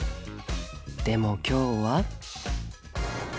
でも今日は？